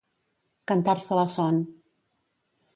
Cantar-se la son.